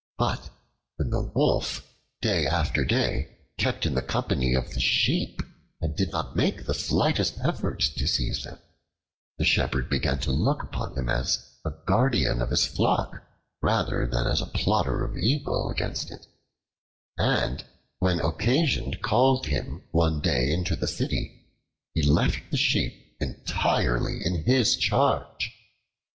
But when the Wolf, day after day, kept in the company of the sheep and did not make the slightest effort to seize them, the Shepherd began to look upon him as a guardian of his flock rather than as a plotter of evil against it; and when occasion called him one day into the city, he left the sheep entirely in his charge.